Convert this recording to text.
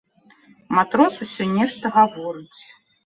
Матрос усё нешта гаворыць.